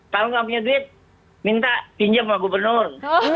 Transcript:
kalau nggak punya duit minta pinjam sama gubernur